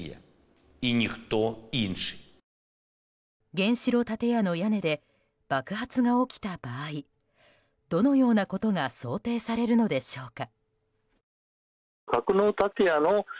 原子炉建屋の屋根で爆発が起きた場合どのようなことが想定されるのでしょうか。